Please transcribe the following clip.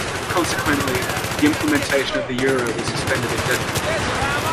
Consequently, the implementation of the Euro was suspended indefinitely.